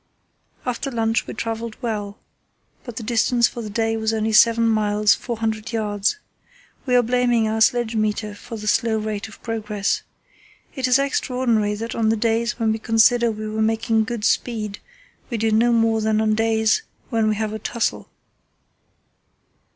After lunch we travelled well, but the distance for the day was only 7 miles 400 yds. We are blaming our sledge meter for the slow rate of progress. It is extraordinary that on the days when we consider we are making good speed we do no more than on days when we have a tussle."